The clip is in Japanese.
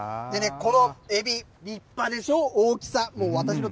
このエビ、立派でしょう。